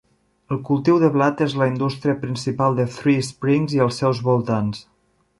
El cultiu de blat és la indústria principal de Three Springs i els seus voltants.